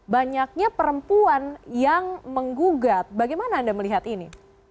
banyaknya perempuan yang menggugat bagaimana anda melihat ini